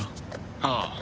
ああ。